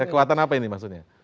kekuatan apa ini maksudnya